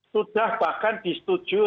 sudah bahkan disetujui